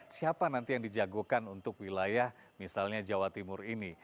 siapa nanti yang dijagokan untuk wilayah misalnya jawa timur ini